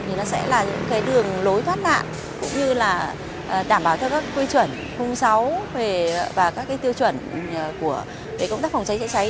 thì nó sẽ là những cái đường lối thoát nạn cũng như là đảm bảo theo các quy chuẩn khung sáu và các cái tiêu chuẩn của công tác phòng cháy chữa cháy